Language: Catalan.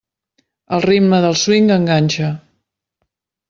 El ritme del swing enganxa.